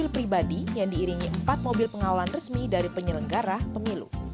pak sandiaga uno